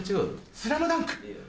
『スラムダンク』。